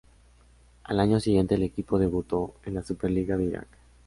Al año siguiente el equipo debutó en la Super Liga de Irak.